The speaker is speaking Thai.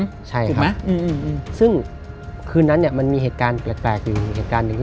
ถูกไหมอืมอื่มอื่มใช่ครับซึ่ง